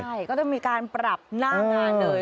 ใช่ก็ต้องมีการปรับหน้างานเลย